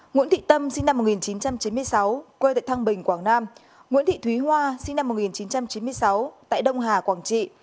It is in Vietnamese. nguyễn thị tâm sinh năm một nghìn chín trăm chín mươi sáu quê tại thăng bình quảng nam nguyễn thị thúy hoa sinh năm một nghìn chín trăm chín mươi sáu tại đông hà quảng trị